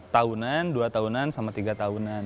tahunan dua tahunan sama tiga tahunan